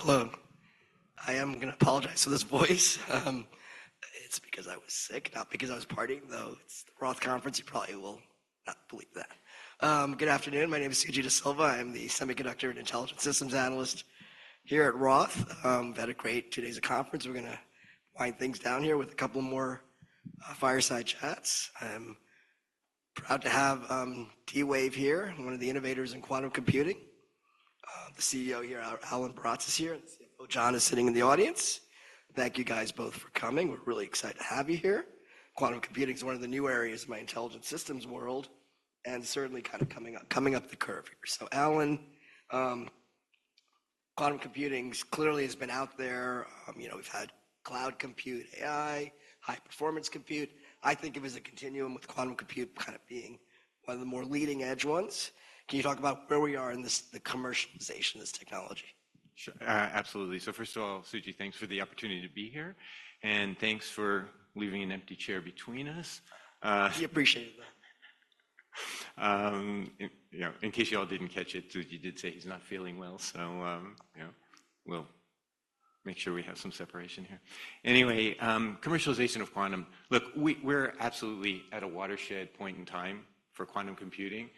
Hello, hello. I am going to apologize for this voice; it's because I was sick, not because I was partying, though it's Roth Conference. You probably will not believe that. Good afternoon, my name is Suji Desilva. I'm the Semiconductor and Intelligent Systems Analyst here at Roth. We've had a great two days of conference; we're going to wind things down here with a couple more fireside chats. I'm proud to have D-Wave here, one of the innovators in quantum computing. The CEO here, Alan Baratz, is here, and the CFO John is sitting in the audience. Thank you guys both for coming; we're really excited to have you here. Quantum computing is one of the new areas in my intelligent systems world, and certainly kind of coming up, coming up the curve here. So Alan, quantum computing clearly has been out there, you know, we've had cloud compute, AI, high performance compute, I think it was a continuum with quantum compute kind of being one of the more leading edge ones. Can you talk about where we are in this, the commercialization of this technology? Sure, absolutely. So first of all Suji, thanks for the opportunity to be here, and thanks for leaving an empty chair between us. We appreciate that. You know, in case you all didn't catch it, Suji did say he's not feeling well, so, you know, we'll make sure we have some separation here. Anyway, commercialization of quantum, look, we're absolutely at a watershed point in time for quantum computing.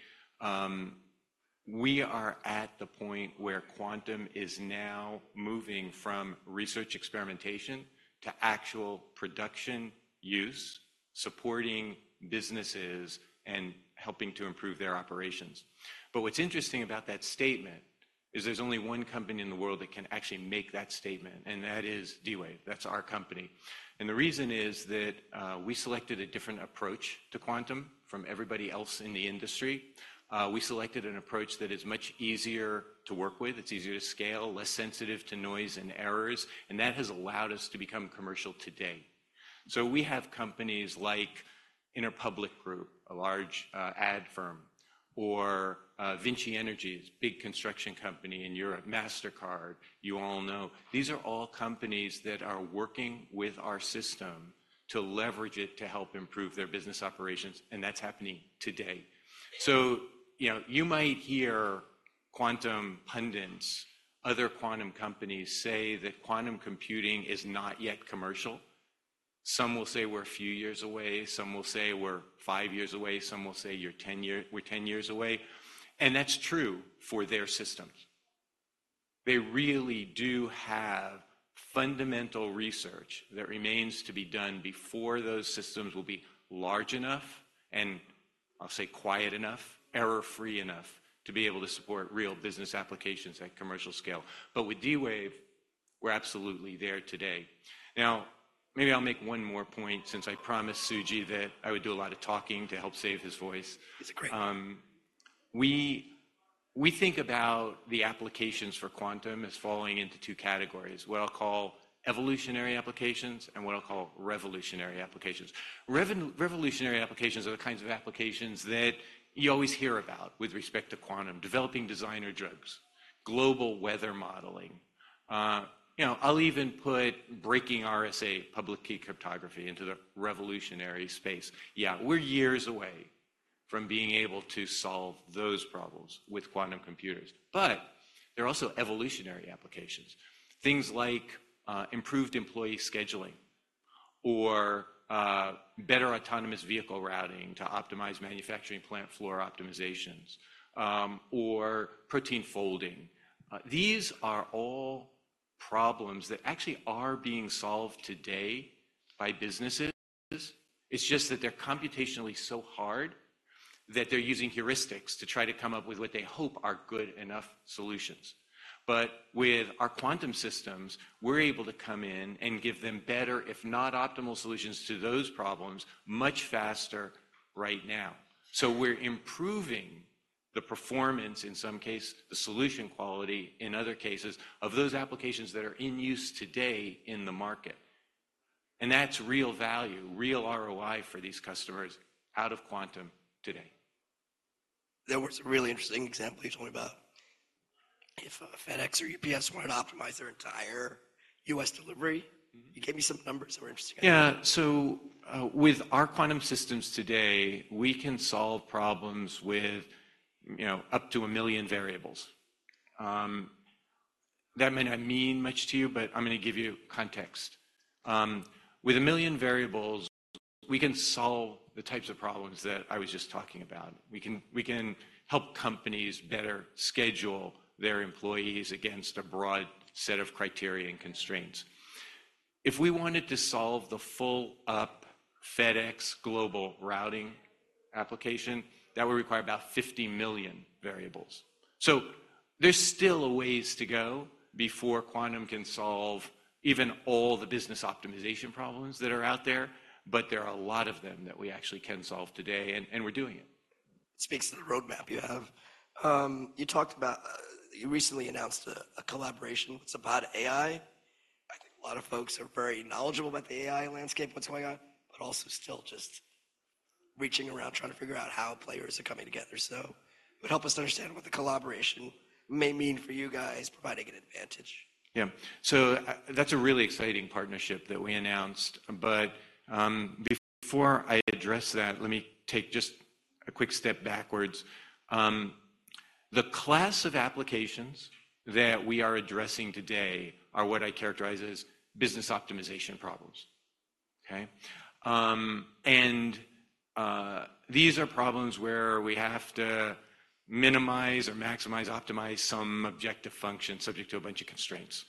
We are at the point where quantum is now moving from research experimentation to actual production use, supporting businesses and helping to improve their operations. But what's interesting about that statement is there's only one company in the world that can actually make that statement, and that is D-Wave, that's our company. And the reason is that, we selected a different approach to quantum from everybody else in the industry. We selected an approach that is much easier to work with, it's easier to scale, less sensitive to noise and errors, and that has allowed us to become commercial today. So we have companies like Interpublic Group, a large ad firm, or VINCI Energies is a big construction company in Europe, Mastercard, you all know. These are all companies that are working with our system to leverage it to help improve their business operations, and that's happening today. So, you know, you might hear quantum pundits, other quantum companies say that quantum computing is not yet commercial. Some will say we're a few years away, some will say we're five years away, some will say you're 10 years, we're 10 years away, and that's true for their systems. They really do have fundamental research that remains to be done before those systems will be large enough and, I'll say quiet enough, error-free enough to be able to support real business applications at commercial scale. But with D-Wave, we're absolutely there today. Now, maybe I'll make one more point since I promised Suji that I would do a lot of talking to help save his voice. It's a great point. We think about the applications for quantum as falling into two categories, what I'll call evolutionary applications and what I'll call revolutionary applications. Revolutionary applications are the kinds of applications that you always hear about with respect to quantum, developing designer drugs, global weather modeling. You know, I'll even put breaking RSA, public key cryptography into the revolutionary space. Yeah, we're years away from being able to solve those problems with quantum computers, but there are also evolutionary applications. Things like improved employee scheduling, or better autonomous vehicle routing to optimize manufacturing plant floor optimizations, or protein folding. These are all problems that actually are being solved today by businesses. It's just that they're computationally so hard that they're using heuristics to try to come up with what they hope are good enough solutions. But with our quantum systems, we're able to come in and give them better, if not optimal solutions to those problems much faster right now. So we're improving the performance, in some cases the solution quality, in other cases of those applications that are in use today in the market. And that's real value, real ROI for these customers out of quantum today. There was a really interesting example you told me about. If FedEx or UPS wanted to optimize their entire U.S. delivery, you gave me some numbers that were interesting. Yeah, so, with our quantum systems today, we can solve problems with, you know, up to 1 million variables. That may not mean much to you, but I'm going to give you context. With one million variables, we can solve the types of problems that I was just talking about. We can, we can help companies better schedule their employees against a broad set of criteria and constraints. If we wanted to solve the full-up FedEx global routing application, that would require about 50 million variables. So there's still a ways to go before quantum can solve even all the business optimization problems that are out there, but there are a lot of them that we actually can solve today, and we're doing it. It speaks to the roadmap you have. You talked about, you recently announced a collaboration with Zapata AI. I think a lot of folks are very knowledgeable about the AI landscape, what's going on, but also still just reaching around trying to figure out how players are coming together. So it would help us to understand what the collaboration may mean for you guys, providing an advantage. Yeah, so that's a really exciting partnership that we announced, but before I address that, let me take just a quick step backwards. The class of applications that we are addressing today are what I characterize as business optimization problems. Okay? These are problems where we have to minimize or maximize optimize some objective function subject to a bunch of constraints.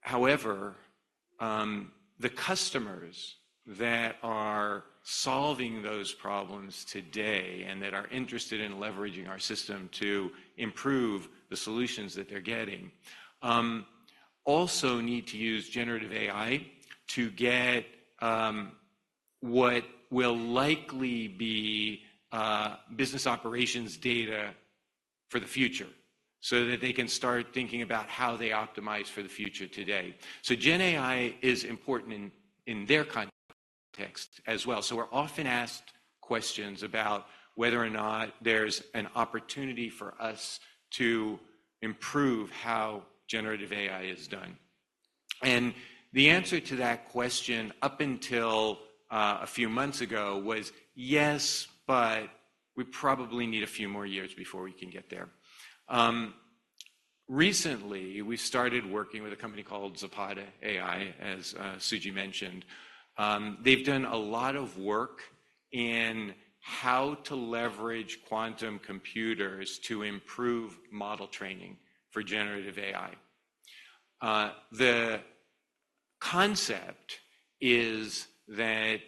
However, the customers that are solving those problems today and that are interested in leveraging our system to improve the solutions that they're getting also need to use generative AI to get what will likely be business operations data for the future so that they can start thinking about how they optimize for the future today. So Gen AI is important in their context as well. So we're often asked questions about whether or not there's an opportunity for us to improve how generative AI is done. The answer to that question up until a few months ago was yes, but we probably need a few more years before we can get there. Recently we started working with a company called Zapata AI, as Suji mentioned. They've done a lot of work in how to leverage quantum computers to improve model training for generative AI. The concept is that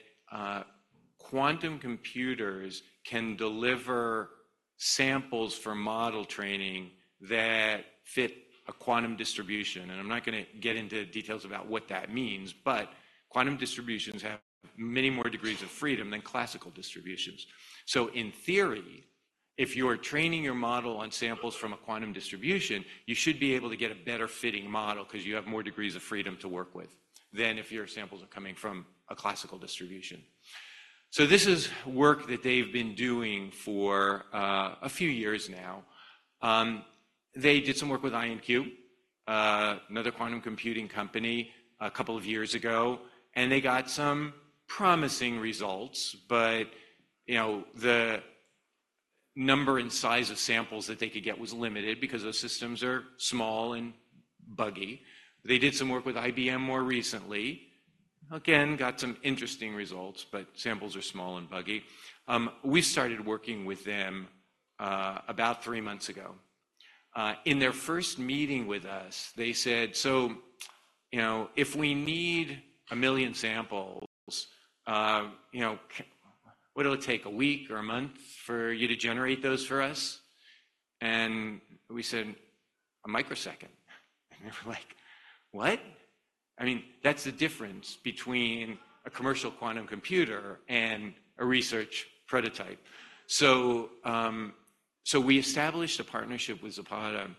quantum computers can deliver samples for model training that fit a quantum distribution, and I'm not going to get into details about what that means, but quantum distributions have many more degrees of freedom than classical distributions. So in theory, if you're training your model on samples from a quantum distribution, you should be able to get a better fitting model because you have more degrees of freedom to work with than if your samples are coming from a classical distribution. So this is work that they've been doing for a few years now. They did some work with IonQ, another quantum computing company a couple of years ago, and they got some promising results, but, you know, the number and size of samples that they could get was limited because those systems are small and buggy. They did some work with IBM more recently. Again, got some interesting results, but samples are small and buggy. We started working with them about three months ago. In their first meeting with us, they said, so, you know, if we need a million samples, you know, what will it take, a week or a month for you to generate those for us? And we said, a microsecond. And they were like, what? I mean, that's the difference between a commercial quantum computer and a research prototype. So, so we established a partnership with Zapata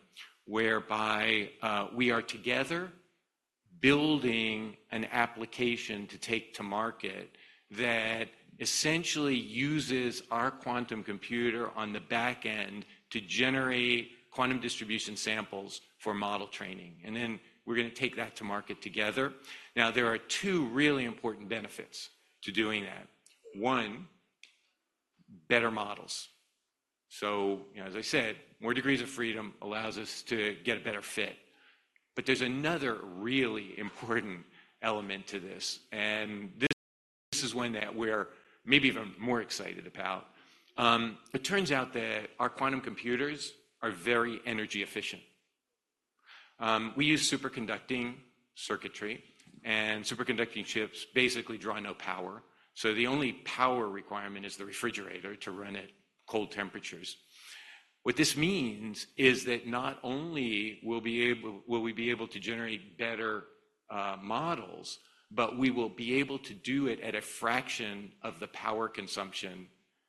whereby, we are together building an application to take to market that essentially uses our quantum computer on the backend to generate quantum distribution samples for model training, and then we're going to take that to market together. Now, there are two really important benefits to doing that. One, better models. So, you know, as I said, more degrees of freedom allows us to get a better fit. But there's another really important element to this, and this is one that we're maybe even more excited about. It turns out that our quantum computers are very energy efficient. We use superconducting circuitry, and superconducting chips basically draw no power, so the only power requirement is the refrigerator to run at cold temperatures. What this means is that not only will we be able to generate better models, but we will be able to do it at a fraction of the power consumption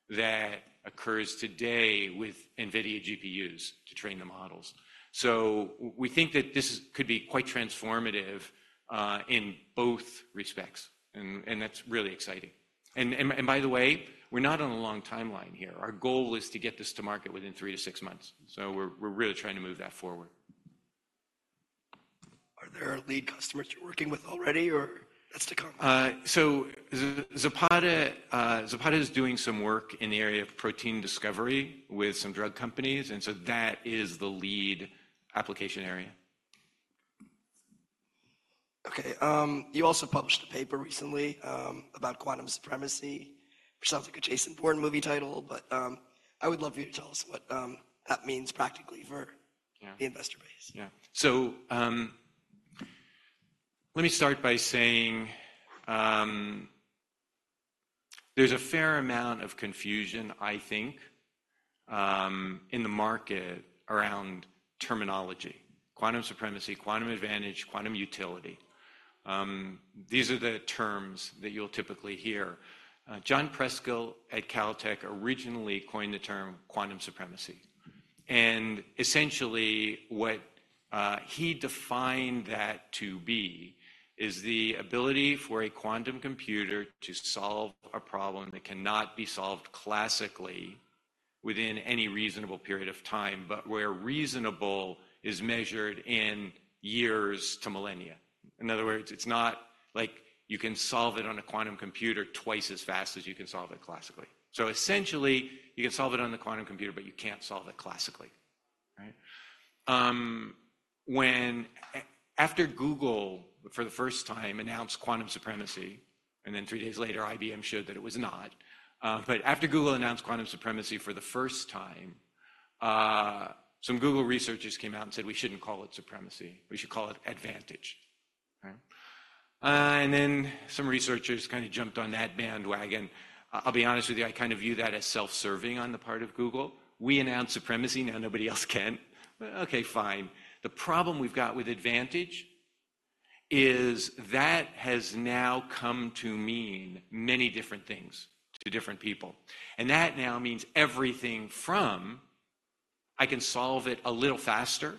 that occurs today with NVIDIA GPUs to train the models. So we think that this could be quite transformative in both respects, and that's really exciting. And, and by the way, we're not on a long timeline here. Our goal is to get this to market within three-six months, so we're really trying to move that forward. Are there lead customers you're working with already, or that's to come? Zapata is doing some work in the area of protein discovery with some drug companies, and so that is the lead application area. Okay, you also published a paper recently about quantum supremacy. It sounds like a Jason Bourne movie title, but I would love for you to tell us what that means practically for the investor base. Yeah, so let me start by saying there's a fair amount of confusion, I think, in the market around terminology. Quantum supremacy, quantum advantage, quantum utility. These are the terms that you'll typically hear. John Preskill at Caltech originally coined the term quantum supremacy. And essentially what he defined that to be is the ability for a quantum computer to solve a problem that cannot be solved classically within any reasonable period of time, but where reasonable is measured in years to millennia. In other words, it's not like you can solve it on a quantum computer twice as fast as you can solve it classically. So essentially you can solve it on the quantum computer, but you can't solve it classically. Right? When after Google for the first time announced quantum supremacy, and then three days later IBM showed that it was not. But after Google announced quantum supremacy for the first time, some Google researchers came out and said we shouldn't call it supremacy. We should call it advantage. Right? And then some researchers kind of jumped on that bandwagon. I'll be honest with you, I kind of view that as self-serving on the part of Google. We announced supremacy, now nobody else can. Okay, fine. The problem we've got with advantage is that has now come to mean many different things to different people. And that now means everything from I can solve it a little faster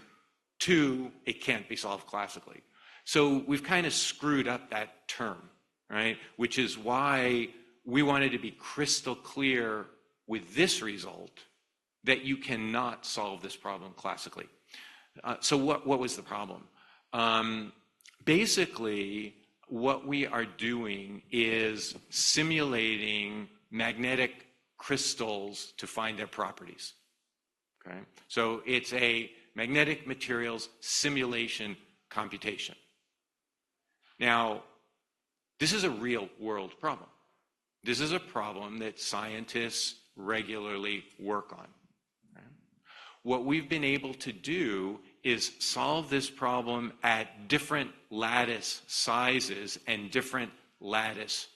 to it can't be solved classically. So we've kind of screwed up that term, right? Which is why we wanted to be crystal clear with this result that you cannot solve this problem classically. So what was the problem? Basically what we are doing is simulating magnetic crystals to find their properties. Okay? So it's a magnetic materials simulation computation. Now, this is a real world problem. This is a problem that scientists regularly work on. Right? What we've been able to do is solve this problem at different lattice sizes and different lattice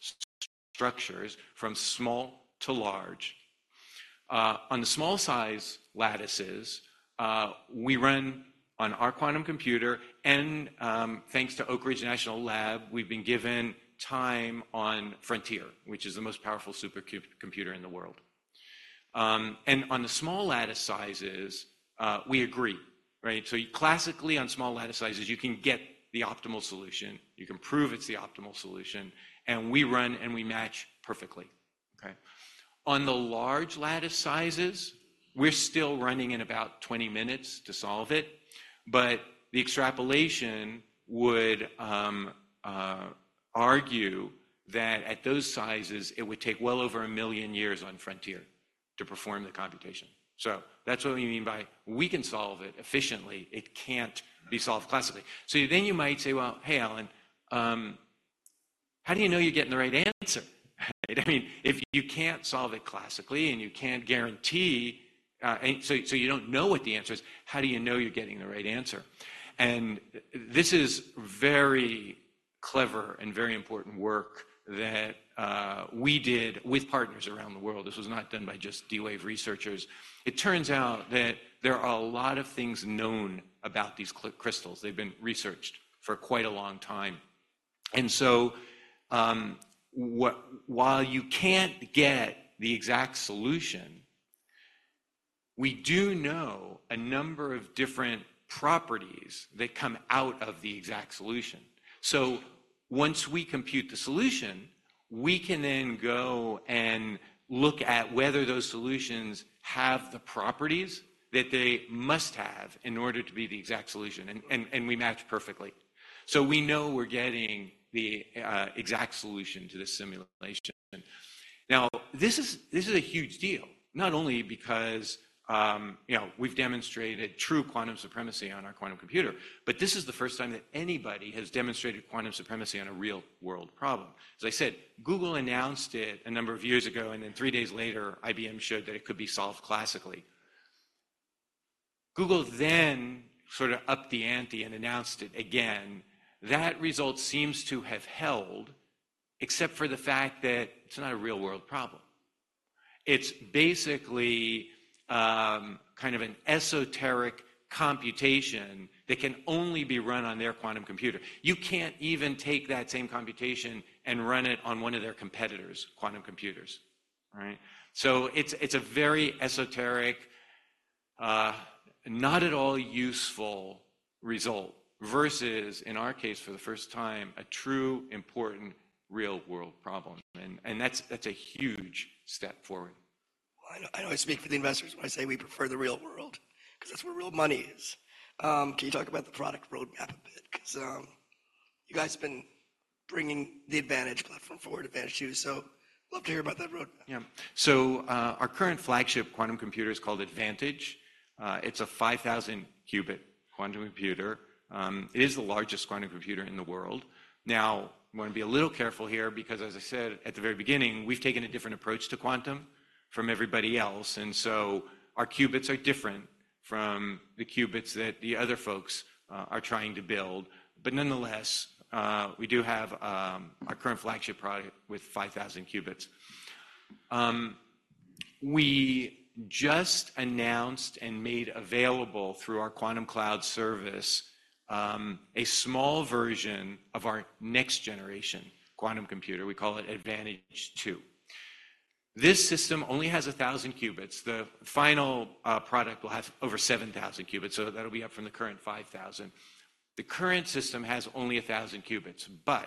structures from small to large. On the small size lattices, we run on our quantum computer, and thanks to Oak Ridge National Lab, we've been given time on Frontier, which is the most powerful supercomputer in the world. And on the small lattice sizes, we agree, right? So classically on small lattice sizes, you can get the optimal solution, you can prove it's the optimal solution, and we run and we match perfectly. Okay? On the large lattice sizes, we're still running in about 20 minutes to solve it, but the extrapolation would argue that at those sizes it would take well over 1 million years on Frontier to perform the computation. So that's what we mean by we can solve it efficiently, it can't be solved classically. So then you might say, well, hey, Alan, how do you know you're getting the right answer? Right? I mean, if you can't solve it classically and you can't guarantee, so you don't know what the answer is, how do you know you're getting the right answer? This is very clever and very important work that we did with partners around the world. This was not done by just D-Wave researchers. It turns out that there are a lot of things known about these crystals. They've been researched for quite a long time. While you can't get the exact solution, we do know a number of different properties that come out of the exact solution. Once we compute the solution, we can then go and look at whether those solutions have the properties that they must have in order to be the exact solution, and we match perfectly. We know we're getting the exact solution to this simulation. Now, this is a huge deal, not only because we've demonstrated true quantum supremacy on our quantum computer, but this is the first time that anybody has demonstrated quantum supremacy on a real world problem. As I said, Google announced it a number of years ago, and then three days later IBM showed that it could be solved classically. Google then sort of upped the ante and announced it again. That result seems to have held, except for the fact that it's not a real world problem. It's basically kind of an esoteric computation that can only be run on their quantum computer. You can't even take that same computation and run it on one of their competitors' quantum computers. Right? So it's a very esoteric, not at all useful result versus, in our case, for the first time, a true important real world problem. And that's a huge step forward. I know I speak for the investors when I say we prefer the real world because that's where real money is. Can you talk about the product roadmap a bit? Because you guys have been bringing the Advantage platform forward, Advantage 2, so love to hear about that roadmap. Yeah, so our current flagship quantum computer is called Advantage. It's a 5,000-qubit quantum computer. It is the largest quantum computer in the world. Now, I want to be a little careful here because, as I said at the very beginning, we've taken a different approach to quantum from everybody else, and so our qubits are different from the qubits that the other folks are trying to build. But nonetheless, we do have our current flagship product with 5,000 qubits. We just announced and made available through our quantum cloud service a small version of our next generation quantum computer. We call it Advantage 2. This system only has 1,000 qubits. The final product will have over 7,000 qubits, so that'll be up from the current 5,000. The current system has only 1,000 qubits, but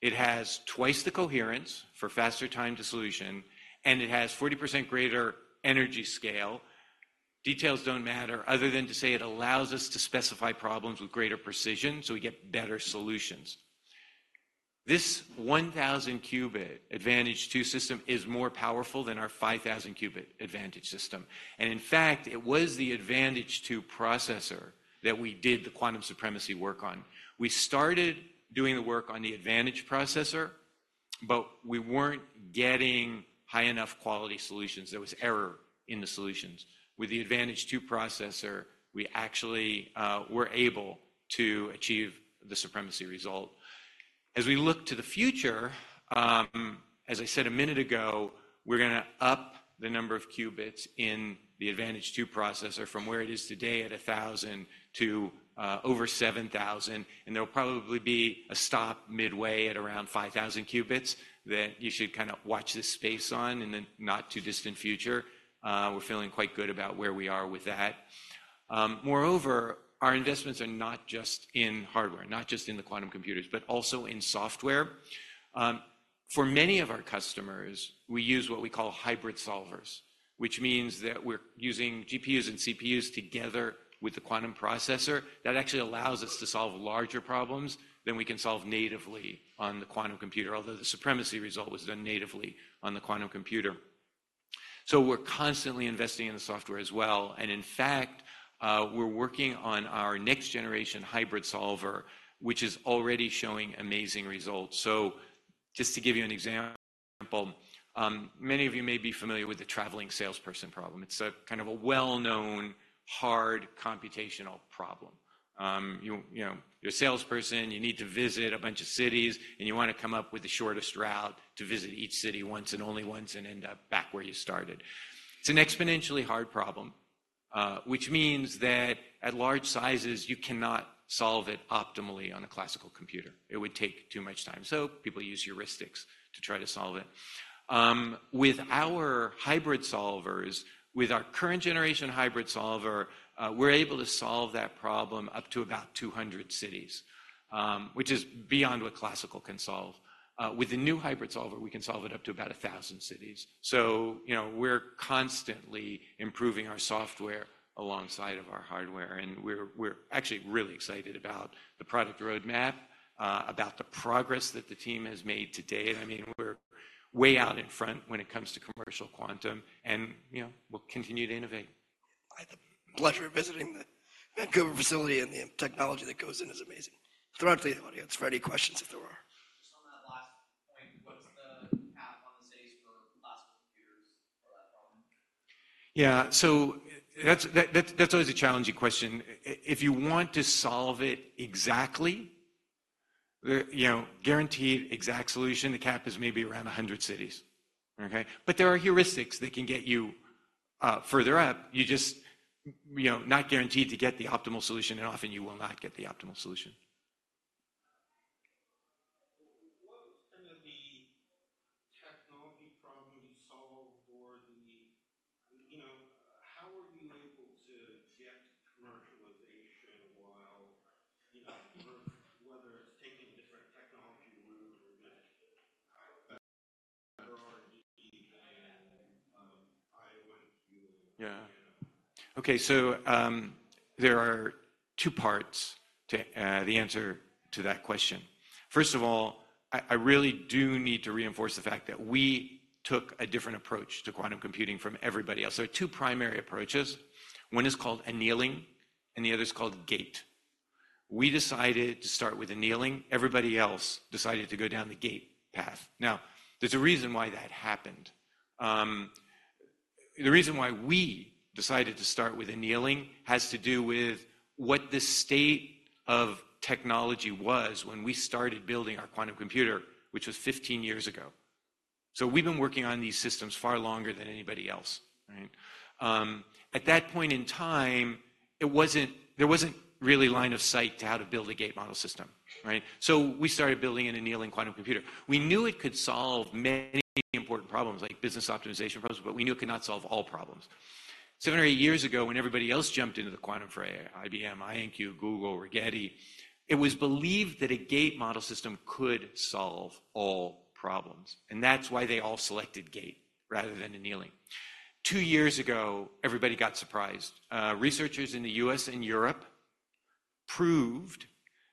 it has twice the coherence for faster time to solution, and it has 40% greater energy scale. Details don't matter other than to say it allows us to specify problems with greater precision, so we get better solutions. This 1,000 qubit Advantage 2 system is more powerful than our 5,000 qubit Advantage system. And in fact, it was the Advantage 2 processor that we did the quantum supremacy work on. We started doing the work on the Advantage processor, but we weren't getting high enough quality solutions. There was error in the solutions. With the Advantage 2 processor, we actually were able to achieve the supremacy result. As we look to the future, as I said a minute ago, we're going to up the number of qubits in the Advantage 2 processor from where it is today at 1,000 to over 7,000, and there'll probably be a stop midway at around 5,000 qubits that you should kind of watch this space on in the not too distant future. We're feeling quite good about where we are with that. Moreover, our investments are not just in hardware, not just in the quantum computers, but also in software. For many of our customers, we use what we call hybrid solvers, which means that we're using GPUs and CPUs together with the quantum processor that actually allows us to solve larger problems than we can solve natively on the quantum computer, although the supremacy result was done natively on the quantum computer. So we're constantly investing in the software as well, and in fact, we're working on our next generation hybrid solver, which is already showing amazing results. So just to give you an example, many of you may be familiar with the traveling salesperson problem. It's a kind of a well-known hard computational problem. You're a salesperson, you need to visit a bunch of cities, and you want to come up with the shortest route to visit each city once and only once and end up back where you started. It's an exponentially hard problem, which means that at large sizes you cannot solve it optimally on a classical computer. It would take too much time. So people use heuristics to try to solve it. With our hybrid solvers, with our current generation hybrid solver, we're able to solve that problem up to about 200 cities, which is beyond what classical can solve. With the new hybrid solver, we can solve it up to about 1,000 cities. So we're constantly improving our software alongside of our hardware, and we're actually really excited about the product roadmap, about the progress that the team has made today. I mean, we're way out in front when it comes to commercial quantum, and we'll continue to innovate. I had the pleasure of visiting the Vancouver facility, and the technology that goes in is amazing. Throughout today, the audience, if there are any questions. Just on that last point, what's the cap on the cities for classical computers for that problem? Yeah, so that's always a challenging question. If you want to solve it exactly, guaranteed exact solution, the cap is maybe around 100 cities. Okay? But there are heuristics that can get you further up. You're just not guaranteed to get the optimal solution, and often you will not get the optimal solution. What was kind of the technology problem you solved or how were you able to get commercialization while whether it's taking a different technology route or just R&D than IonQ and Rigetti and IBM? Yeah. Okay, so there are two parts to the answer to that question. First of all, I really do need to reinforce the fact that we took a different approach to quantum computing from everybody else. There are two primary approaches. One is called annealing, and the other is called gate. We decided to start with annealing. Everybody else decided to go down the gate path. Now, there's a reason why that happened. The reason why we decided to start with annealing has to do with what the state of technology was when we started building our quantum computer, which was 15 years ago. So we've been working on these systems far longer than anybody else. Right? At that point in time, there wasn't really line of sight to how to build a gate model system. Right? So we started building an annealing quantum computer. We knew it could solve many important problems, like business optimization problems, but we knew it could not solve all problems. Seven or eight years ago, when everybody else jumped into the quantum for IBM, IonQ, Google, Rigetti, it was believed that a gate model system could solve all problems. And that's why they all selected gate rather than annealing. Two years ago, everybody got surprised. Researchers in the U.S. and Europe proved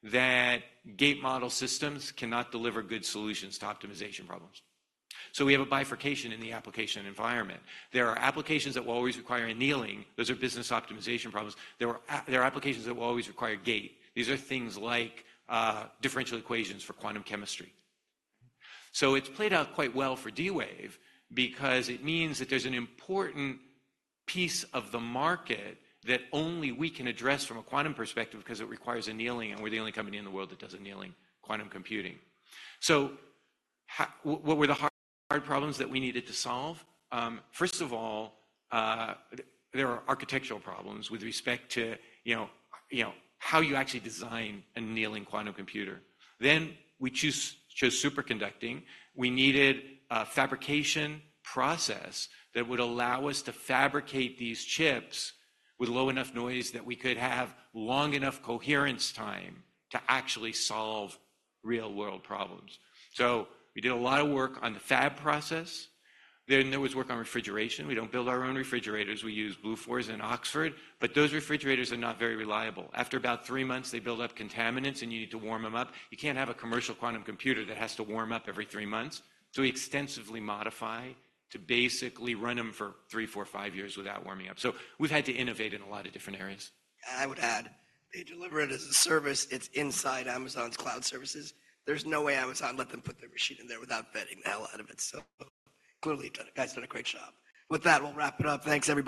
that gate model systems cannot deliver good solutions to optimization problems. So we have a bifurcation in the application environment. There are applications that will always require annealing. Those are business optimization problems. There are applications that will always require gate. These are things like differential equations for quantum chemistry. So it's played out quite well for D-Wave because it means that there's an important piece of the market that only we can address from a quantum perspective because it requires annealing, and we're the only company in the world that does annealing quantum computing. So what were the hard problems that we needed to solve? First of all, there are architectural problems with respect to how you actually design an annealing quantum computer. Then we chose superconducting. We needed a fabrication process that would allow us to fabricate these chips with low enough noise that we could have long enough coherence time to actually solve real-world problems. So we did a lot of work on the fab process. Then there was work on refrigeration. We don't build our own refrigerators. We use Bluefors and Oxford, but those refrigerators are not very reliable. After about three months, they build up contaminants, and you need to warm them up. You can't have a commercial quantum computer that has to warm up every three months. So we extensively modify to basically run them for three, four, five years without warming up. So we've had to innovate in a lot of different areas. I would add, they deliver it as a service. It's inside Amazon's cloud services. There's no way Amazon let them put their machine in there without vetting the hell out of it. Clearly, you guys done a great job. With that, we'll wrap it up. Thanks, everyone.